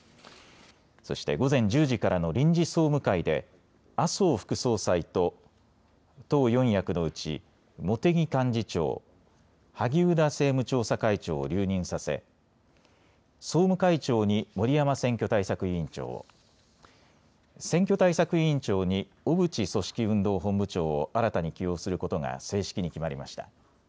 そして午前１０時からの臨時総務会で、麻生副総裁と党四役のうち茂木幹事長、萩生田政務調査会長を留任させ、総務会長に森山選挙対策委員長を、選挙対策委員長に小渕組織運動本部長を新たに起用することが正式に決まりました。